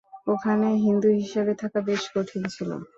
ওখানে হিন্দু হিসেবে থাকা বেশ কঠিন ছিল।